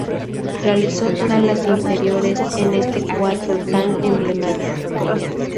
Realizó todas las inferiores en este cuadro tan emblemático.